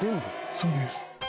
そうです。